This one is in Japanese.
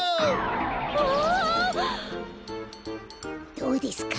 どうですか？